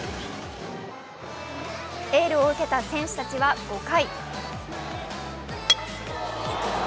エールを受けた選手たちは５回。